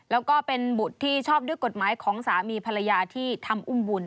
แล้วก็เป็นบุตรที่ชอบด้วยกฎหมายของสามีภรรยาที่ทำอุ้มบุญ